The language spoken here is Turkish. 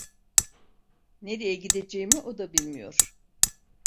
Nereye gideceğimi o da bilmiyor.